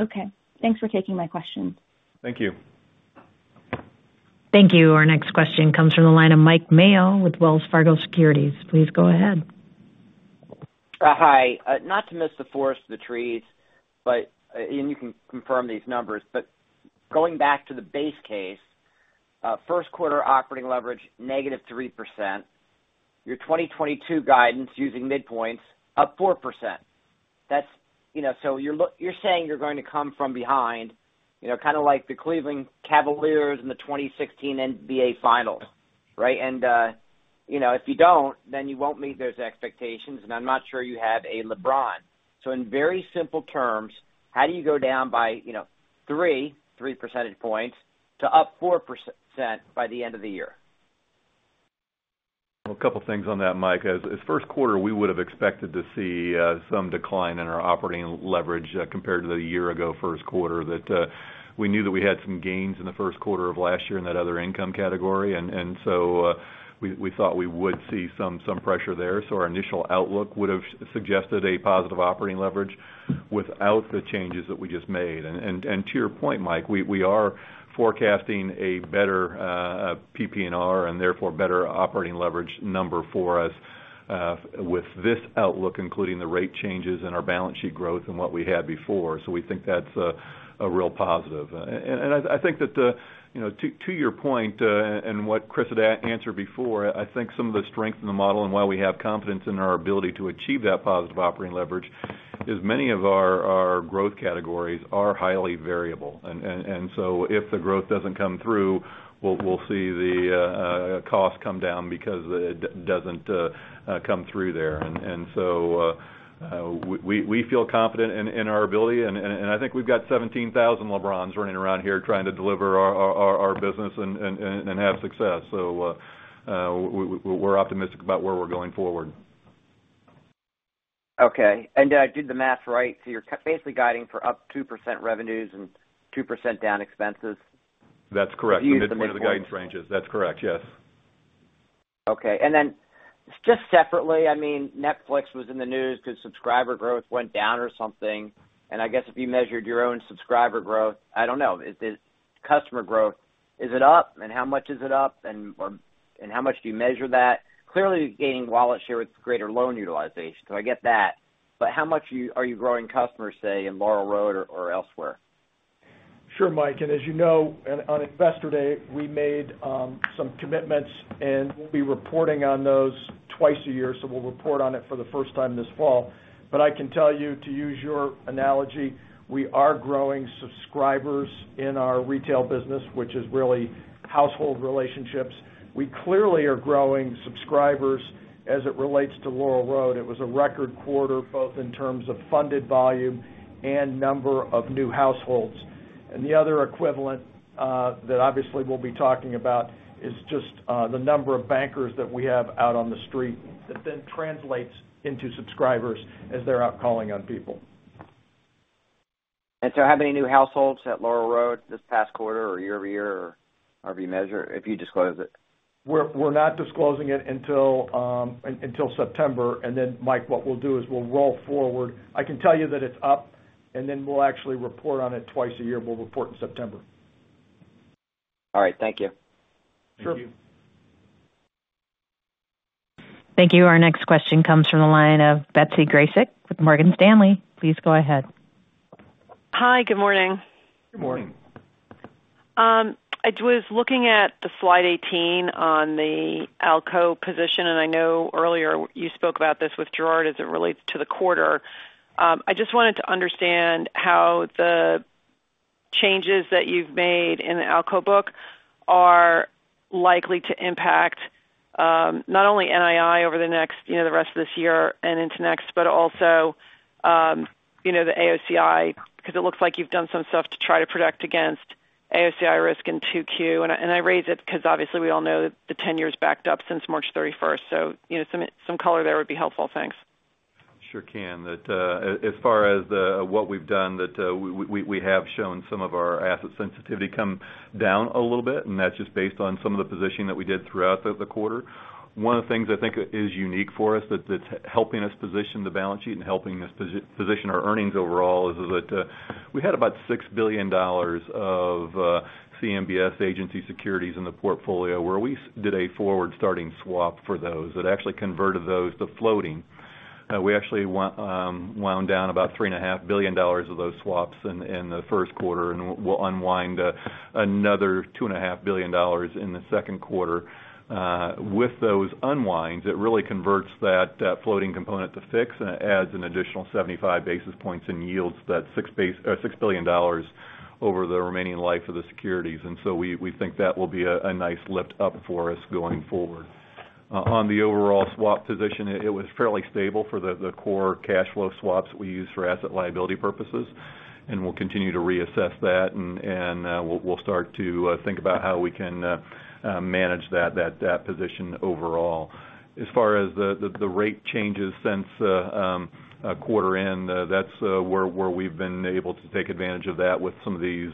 Okay. Thanks for taking my questions. Thank you. Thank you. Our next question comes from the line of Mike Mayo with Wells Fargo Securities. Please go ahead. Hi. Not to miss the forest, the trees, but you can confirm these numbers. Going back to the base case, first quarter operating leverage negative 3%, your 2022 guidance using midpoints, up 4%. That's, you know, so you're saying you're going to come from behind, you know, kind of like the Cleveland Cavaliers in the 2016 NBA Finals, right? You know, if you don't, then you won't meet those expectations, and I'm not sure you have a LeBron. In very simple terms, how do you go down by, you know, three percentage points to up 4% by the end of the year? A couple of things on that, Mike. In the first quarter, we would have expected to see some decline in our operating leverage compared to the year-ago first quarter that we knew that we had some gains in the first quarter of last year in that other income category. We thought we would see some pressure there. Our initial outlook would have suggested a positive operating leverage without the changes that we just made. To your point, Mike, we are forecasting a better PPNR, and therefore, better operating leverage number for us with this outlook, including the rate changes in our balance sheet growth and what we had before. We think that's a real positive. I think that the You know, to your point, and what Chris had answered before, I think some of the strength in the model and why we have confidence in our ability to achieve that positive operating leverage is many of our growth categories are highly variable. If the growth doesn't come through, we'll see the cost come down because it doesn't come through there. We feel confident in our ability, and I think we've got 17,000 LeBrons running around here trying to deliver our business and have success. We're optimistic about where we're going forward. Okay. Did I do the math right? You're basically guiding for up 2% revenues and 2% down expenses? That's correct. The midpoint of the guidance ranges. To use the midpoints. That's correct, yes. Okay. Then just separately, I mean, Netflix was in the news because subscriber growth went down or something. I guess if you measured your own subscriber growth, I don't know. Is it customer growth? Is it up? How much is it up? How much do you measure that? Clearly, gaining wallet share with greater loan utilization. I get that. How much are you growing customers, say, in Laurel Road or elsewhere? Sure, Mike. As you know, on Investor Day, we made some commitments, and we'll be reporting on those twice a year. We'll report on it for the first time this fall. I can tell you, to use your analogy, we are growing subscribers in our retail business, which is really household relationships. We clearly are growing subscribers as it relates to Laurel Road. It was a record quarter, both in terms of funded volume and number of new households. The other equivalent that obviously we'll be talking about is just the number of bankers that we have out on the street that then translates into subscribers as they're out calling on people. How many new households at Laurel Road this past quarter or year-over-year or however you measure, if you disclose it? We're not disclosing it until September. Then, Mike, what we'll do is we'll roll forward. I can tell you that it's up, and then we'll actually report on it twice a year. We'll report in September. All right. Thank you. Sure. Thank you. Our next question comes from the line of Betsy Graseck with Morgan Stanley. Please go ahead. Hi, good morning. Good morning. I was looking at the slide 18 on the ALCO position, and I know earlier you spoke about this with Gerard as it relates to the quarter. I just wanted to understand how the changes that you've made in the ALCO book are likely to impact not only NII over the next, you know, the rest of this year and into next, but also, you know, the AOCI because it looks like you've done some stuff to try to protect against AOCI risk in 2Q. I raise it because obviously we all know that the 10-year is backed up since March 31st. You know, some color there would be helpful. Thanks. Sure can. As far as what we've done, we have shown some of our asset sensitivity come down a little bit, and that's just based on some of the positioning that we did throughout the quarter. One of the things I think is unique for us that's helping us position the balance sheet and helping us position our earnings overall is that we had about $6 billion of CMBS agency securities in the portfolio where we did a forward starting swap for those that actually converted those to floating. We actually wound down about $3.5 billion of those swaps in the first quarter, and we'll unwind another $2.5 billion in the second quarter. With those unwinds, it really converts that floating component to fixed, and it adds an additional 75 basis points and yields that $6 billion over the remaining life of the securities. We think that will be a nice lift up for us going forward. On the overall swap position, it was fairly stable for the core cash flow swaps we use for asset liability purposes, and we'll continue to reassess that, and we'll start to think about how we can manage that position overall. As far as the rate changes since quarter end, that's where we've been able to take advantage of that with some of these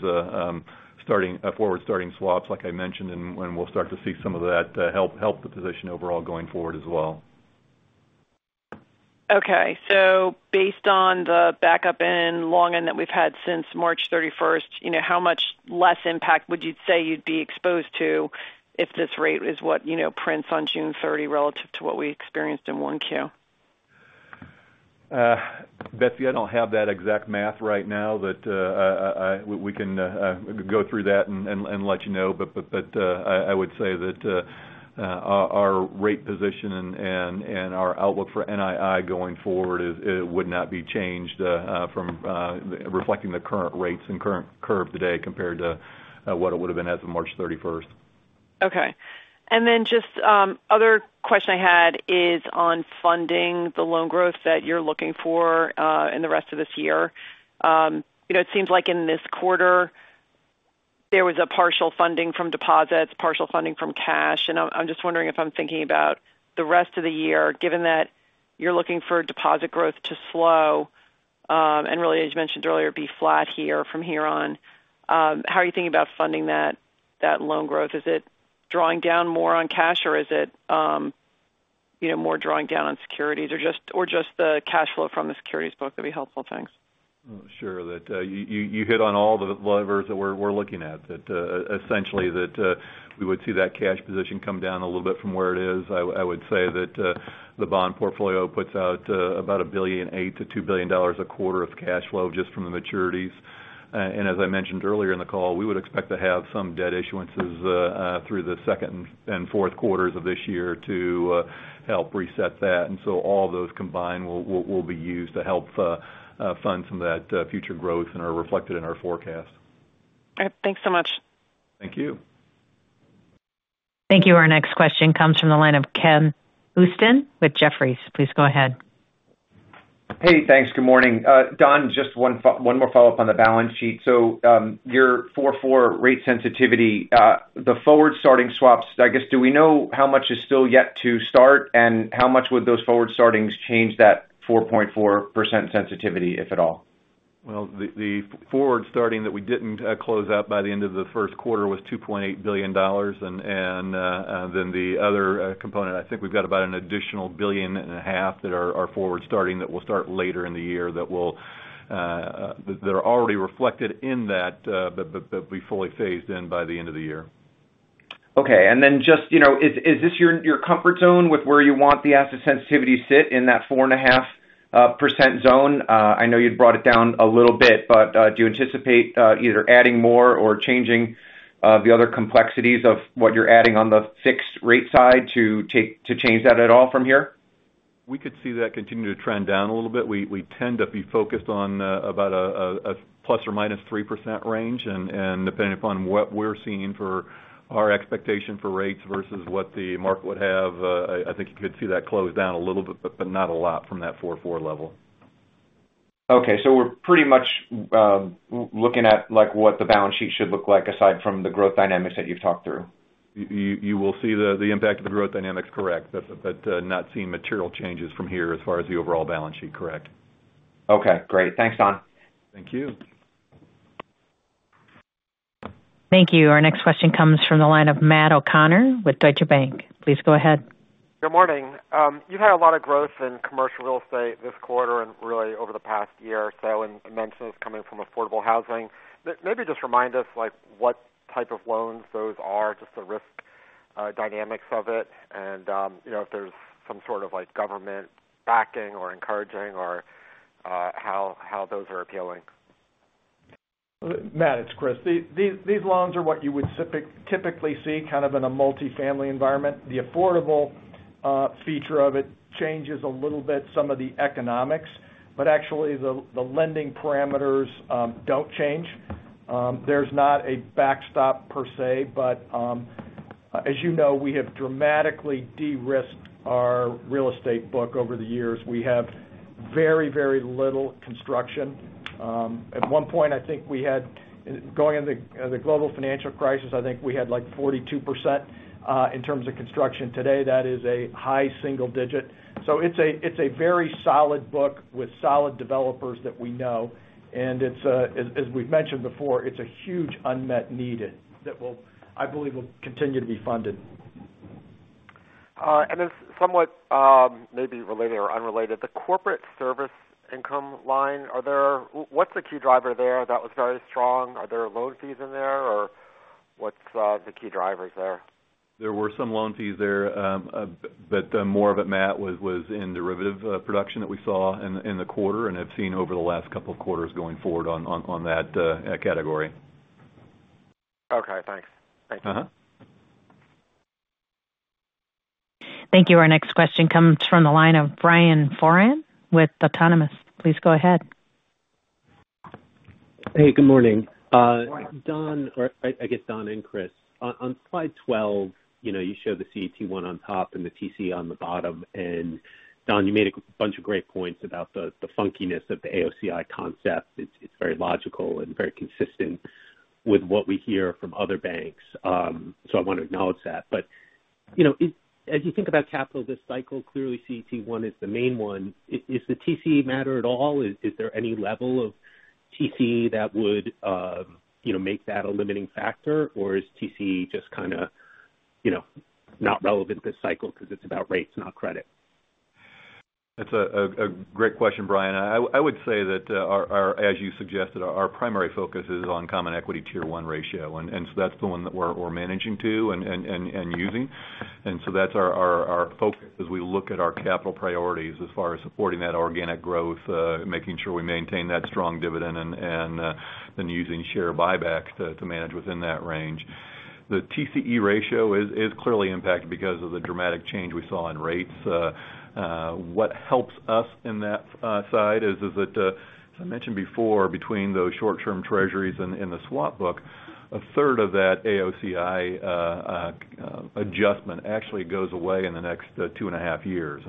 forward starting swaps, like I mentioned, and we'll start to see some of that help the position overall going forward as well. Okay. Based on the backup in long end that we've had since March 31st, you know, how much less impact would you say you'd be exposed to if this rate is what, you know, prints on June 30 relative to what we experienced in 1Q? Betsy, I don't have that exact math right now, but we can go through that and let you know. I would say that our rate position and our outlook for NII going forward is. It would not be changed from reflecting the current rates and current curve today compared to what it would have been as of March 31st. Okay. Just other question I had is on funding the loan growth that you're looking for in the rest of this year. You know, it seems like in this quarter, there was a partial funding from deposits, partial funding from cash. I'm just wondering if I'm thinking about the rest of the year, given that you're looking for deposit growth to slow and really, as you mentioned earlier, be flat here from here on, how are you thinking about funding that loan growth? Is it drawing down more on cash, or is it, you know, more drawing down on securities or just the cash flow from the securities book? That'd be helpful. Thanks. Sure. That you hit on all the levers that we're looking at. That essentially we would see that cash position come down a little bit from where it is. I would say that the bond portfolio puts out about $1.8 billion-$2 billion a quarter of cash flow just from the maturities. As I mentioned earlier in the call, we would expect to have some debt issuances through the second and fourth quarters of this year to help reset that. All those combined will be used to help fund some of that future growth and are reflected in our forecast. All right. Thanks so much. Thank you. Thank you. Our next question comes from the line of Ken Usdin with Jefferies. Please go ahead. Hey, thanks. Good morning. Don, just one more follow-up on the balance sheet. Your 4.4% rate sensitivity, the forward starting swaps, I guess, do we know how much is still yet to start, and how much would those forward startings change that 4.4% sensitivity, if at all? Well, the forward starting that we didn't close out by the end of the first quarter was $2.8 billion. Then the other component, I think we've got about an additional $1.5 billion that are forward starting that will start later in the year that are already reflected in that, but will be fully phased in by the end of the year. Okay. Just, you know, is this your comfort zone with where you want the asset sensitivity sit in that 4.5% zone? I know you'd brought it down a little bit, but do you anticipate either adding more or changing the other complexities of what you're adding on the fixed rate side to change that at all from here? We could see that continue to trend down a little bit. We tend to be focused on about a ±3% range. Depending upon what we're seeing for our expectation for rates versus what the market would have, I think you could see that close down a little bit, but not a lot from that 4.4% level. Okay, we're pretty much looking at like what the balance sheet should look like aside from the growth dynamics that you've talked through. You will see the impact of the growth dynamics, correct. Not seeing material changes from here as far as the overall balance sheet. Correct. Okay, great. Thanks, Don. Thank you. Thank you. Our next question comes from the line of Matt O'Connor with Deutsche Bank. Please go ahead. Good morning. You've had a lot of growth in commercial real estate this quarter and really over the past year or so, and mentions coming from affordable housing. Maybe just remind us like what type of loans those are, just the risk dynamics of it and, you know, if there's some sort of like government backing or encouraging or how those are appealing. Matt, it's Chris. These loans are what you would typically see kind of in a multifamily environment. The affordable feature of it changes a little bit some of the economics, but actually the lending parameters don't change. There's not a backstop per se, but as you know, we have dramatically de-risked our real estate book over the years. We have very little construction. At one point, going into the global financial crisis, I think we had like 42% in terms of construction. Today, that is a high single digit. It's a very solid book with solid developers that we know. As we've mentioned before, it's a huge unmet need that I believe will continue to be funded. Somewhat, maybe related or unrelated, the corporate service income line, what's the key driver there? That was very strong. Are there loan fees in there or what's the key drivers there? There were some loan fees there, but more of it, Matt, was in derivatives production that we saw in the quarter and have seen over the last couple of quarters going forward on that category. Okay, thanks. Thanks. Mm-hmm. Thank you. Our next question comes from the line of Brian Foran with Autonomous. Please go ahead. Hey, good morning. Good morning. Don, or I guess Don and Chris, on slide 12, you know, you show the CET1 on top and the TCE on the bottom. Don, you made a bunch of great points about the funkiness of the AOCI concept. It's very logical and very consistent with what we hear from other banks. I want to acknowledge that. You know, as you think about capital this cycle, clearly CET1 is the main one. Is the TCE matter at all? Is there any level of TCE that would, you know, make that a limiting factor? Or is TCE just kind of, you know, not relevant this cycle because it's about rates, not credit? That's a great question, Brian. I would say that, as you suggested, our primary focus is on Common Equity Tier 1 ratio. That's the one that we're managing to and using. That's our focus as we look at our capital priorities as far as supporting that organic growth, making sure we maintain that strong dividend and then using share buybacks to manage within that range. The TCE ratio is clearly impacted because of the dramatic change we saw in rates. What helps us in that side is that, as I mentioned before, between those short-term treasuries and the swap book, a third of that AOCI adjustment actually goes away in the next two and a half years.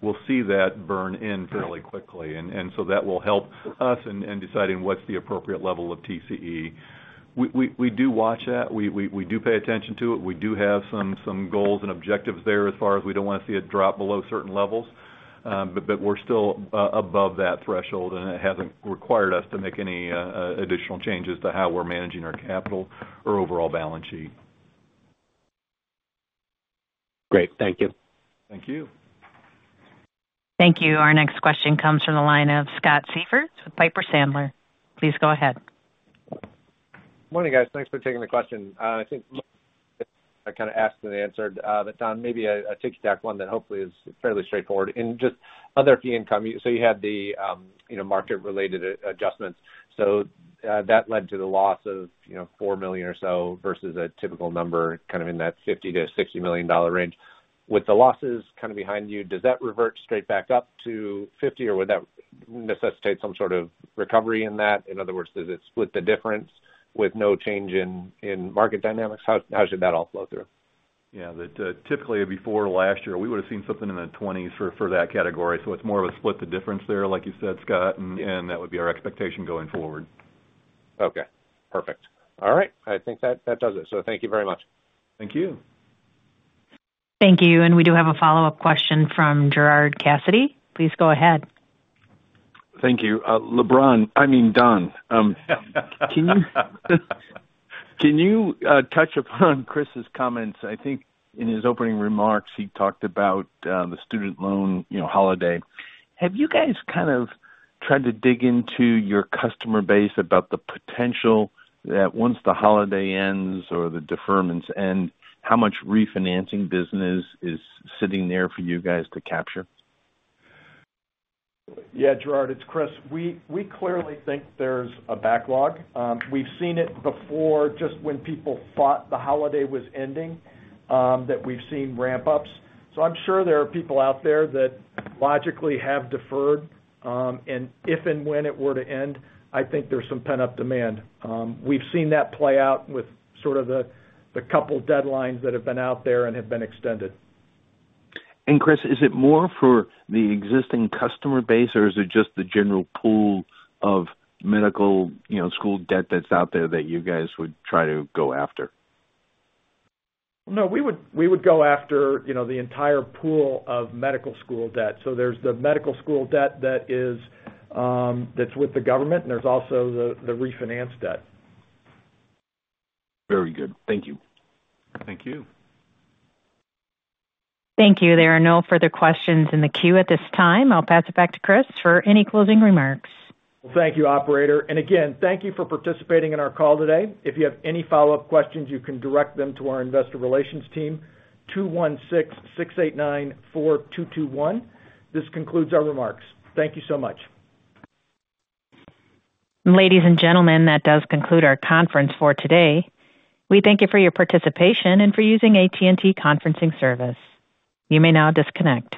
We'll see that burn in fairly quickly. That will help us in deciding what's the appropriate level of TCE. We do watch that. We do pay attention to it. We do have some goals and objectives there as far as we don't want to see it drop below certain levels. We're still above that threshold, and it hasn't required us to make any additional changes to how we're managing our capital or overall balance sheet. Great. Thank you. Thank you. Thank you. Our next question comes from the line of Scott Siefers with Piper Sandler. Please go ahead. Morning, guys. Thanks for taking the question. I think I kind of asked and answered. But Don, maybe a tic-tac one that hopefully is fairly straightforward. In just other fee income, so you had the, you know, market related adjustments. So, that led to the loss of, you know, $4 million or so versus a typical number kind of in that $50-$60 million range. With the losses kind of behind you, does that revert straight back up to 50 or would that necessitate some sort of recovery in that? In other words, does it split the difference with no change in market dynamics? How should that all flow through? Yeah. Typically before last year, we would have seen something in the 20s for that category. It's more of a split the difference there, like you said, Scott. That would be our expectation going forward. Okay, perfect. All right. I think that does it. Thank you very much. Thank you. Thank you. We do have a follow-up question from Gerard Cassidy. Please go ahead. Thank you. LeBron, I mean Don, can you touch upon Chris's comments? I think in his opening remarks, he talked about the student loan, you know, holiday. Have you guys kind of tried to dig into your customer base about the potential that once the holiday ends or the deferments end, how much refinancing business is sitting there for you guys to capture? Yeah, Gerard, it's Chris. We clearly think there's a backlog. We've seen it before, just when people thought the holiday was ending, that we've seen ramp ups. I'm sure there are people out there that logically have deferred, and if and when it were to end, I think there's some pent-up demand. We've seen that play out with sort of the couple deadlines that have been out there and have been extended. Chris, is it more for the existing customer base or is it just the general pool of medical, you know, school debt that's out there that you guys would try to go after? No, we would go after, you know, the entire pool of medical school debt. There's the medical school debt that is, that's with the government, and there's also the refinance debt. Very good. Thank you. Thank you. Thank you. There are no further questions in the queue at this time. I'll pass it back to Chris for any closing remarks. Well, thank you, operator. Again, thank you for participating in our call today. If you have any follow-up questions, you can direct them to our investor relations team, 216-689-4221. This concludes our remarks. Thank you so much. Ladies and gentlemen, that does conclude our conference for today. We thank you for your participation and for using AT&T Conferencing Service. You may now disconnect.